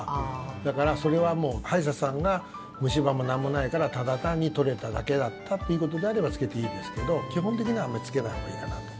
だから、それはもう歯医者さんが虫歯も何もないからただ単に取れただけだったということであればつけていいですけど基本的にはあまりつけないほうがいいかなと。